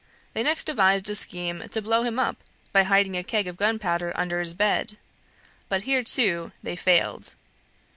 They next devised a scheme to blow him up by hiding a keg of gunpowder under his bed; but here, too, they failed.